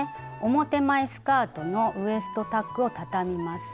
表前スカートのウエストタックをたたみます。